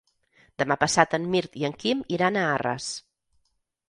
Demà passat en Mirt i en Quim iran a Arres.